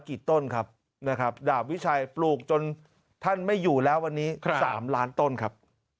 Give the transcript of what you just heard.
ต้นครับนะครับดาบวิชัยปลูกจนท่านไม่อยู่แล้ววันนี้๓ล้านต้นครับ